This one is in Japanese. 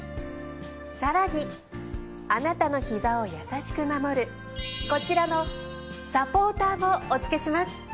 更にあなたのひざを優しく守るこちらのサポーターもお付けします。